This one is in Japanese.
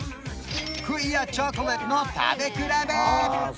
クイアチョコレートの食べ比べ